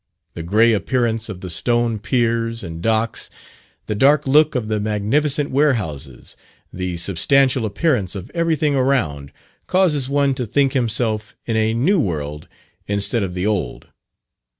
The grey appearance of the stone piers and docks, the dark look of the magnificent warehouses, the substantial appearance of every thing around, causes one to think himself in a new world instead of the old.